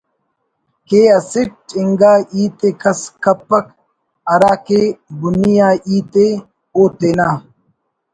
کہ اسٹ انگا ہیت ءِ کس کپک ہرا کہ بُنی آ ہیت ءِ او تینا